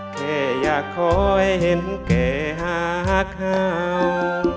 แค่อยากคอยเห็นแกหาข้าว